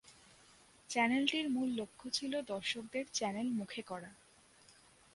Channel টির মূল লক্ষ্য ছিল দর্শক দের চ্যানেল মুখে করা।